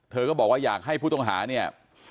เธอก็บอกว่าอยากให้ผู้ต้องหาเนี่ย